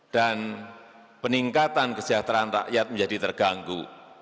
dan peningkatan kesejahteraan rakyat menjadi terganggu